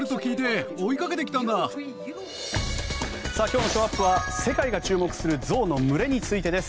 今日のショーアップは世界が注目する象の群れについてです。